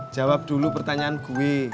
jawab dulu pertanyaan gue